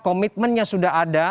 komitmen nya sudah ada